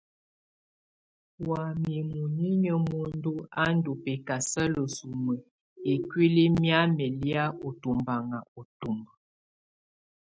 Wamɛ̀á munyinyǝ muǝndu á ndù bɛkasala sumǝ ikuili mɛ̀amɛ lɛ̀á ù tubaŋa ntumbǝ.